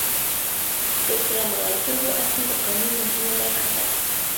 سلسله مراتبو اصل د قانون مهمه برخه ده.